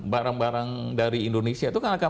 barang barang dari indonesia itu kan akan